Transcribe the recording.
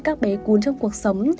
các bé cún trong cuộc sống